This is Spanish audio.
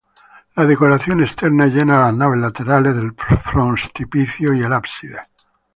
La decoración externa llena las naves laterales, el frontispicio y el ábside.